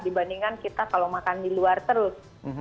dibandingkan kita kalau makan di luar terus